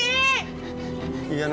tunggu tunggu ya allah